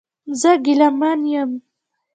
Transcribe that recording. زه ګیلمن یم